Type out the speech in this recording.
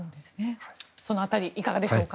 その辺りいかがでしょうか。